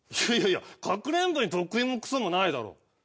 いやいやかくれんぼに得意もクソもないだろ。